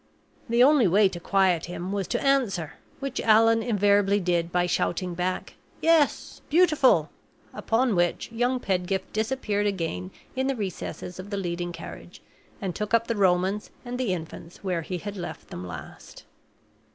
The only way to quiet him was to answer, which Allan invariably did by shouting back, "Yes, beautiful," upon which young Pedgift disappeared again in the recesses of the leading carriage, and took up the Romans and the Infants where he had left them last.